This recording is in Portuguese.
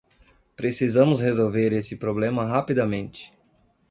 Precisamos resolver esse problema rapidamente.